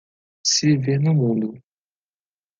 Se viver no mundo